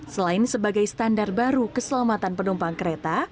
selain sebagai standar baru keselamatan penumpang kereta